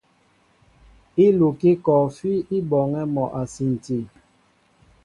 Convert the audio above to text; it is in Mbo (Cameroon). Ílukí kɔɔfí i bɔɔŋɛ́ mɔ a sinti.